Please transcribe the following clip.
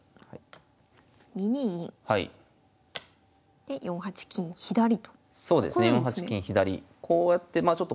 で４八金左と。